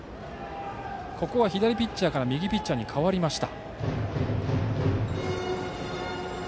ここは左ピッチャーから右ピッチャーに代わりました。